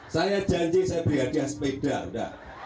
saya janji saya beri hadiah sepeda udah